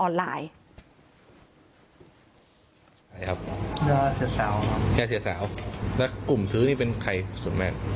ยาเสียสาวและกลุ่มซื้อนี่เป็นใครส่วนมาก